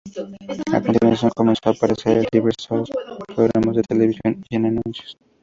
A continuación comenzó a aparecer en diversos programas de televisión y en anuncios.